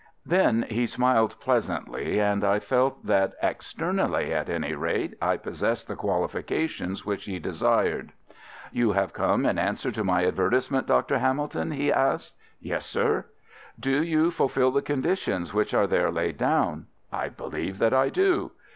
Then he smiled pleasantly, and I felt that externally at any rate I possessed the qualifications which he desired. "You have come in answer to my advertisement, Dr. Hamilton?" he asked. "Yes, sir." "Do you fulfil the conditions which are there laid down?" "I believe that I do."